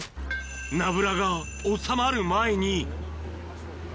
ナブラが収まる前に。